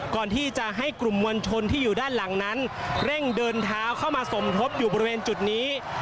ก่อนที่จะให้กลุ่มมวลชนที่อยู่ด้านหลังนั้นเร่งเดินเท้าเข้ามาสมทบอยู่บริเวณจุดนี้